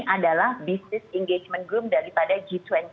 adalah business engagement groom daripada g dua puluh